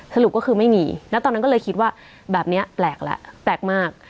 สรุปก็คือไม่มีแล้วตอนนั้นก็เลยคิดว่าแบบนี้แปลกแล้วแปลกมาก